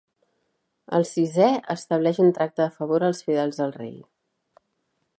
El sisè estableix un tracte de favor als fidels al rei.